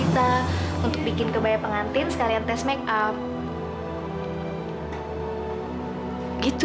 tante ingin kamu menerima andre dalam hidup kamu